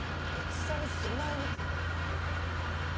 戦に備えにくい。